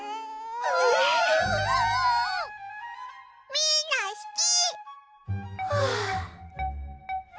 みんなすき！